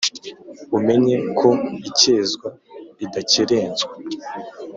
Umenye ko ikezwa idakerenswa